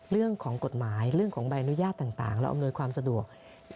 เรื่องของกฎหมายเรื่องของใบอนุญาตต่างเราอำนวยความสะดวก